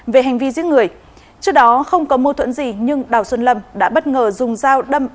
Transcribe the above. về hành vi giết người trước đó không có mâu thuẫn gì nhưng đào xuân lâm đã bất ngờ dùng dao đâm